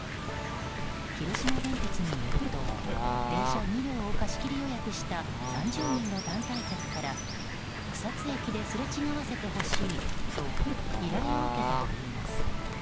広島電鉄によると電車２両を貸し切り予約した３０人の団体客から草津駅ですれ違わせてほしいと依頼を受けたといいます。